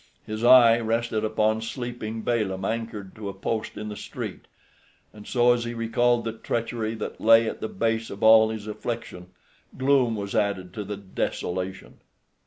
His eye rested upon sleeping Balaam anchored to a post in the street, and so as he recalled the treachery that lay at the base of all his affliction, gloom was added to the desolation.